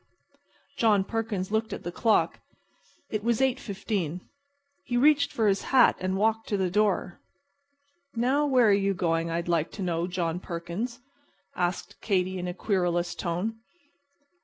John Perkins looked at the clock. It was 8.15. He reached for his hat and walked to the door. "Now, where are you going, I'd like to know, John Perkins?" asked Katy, in a querulous tone.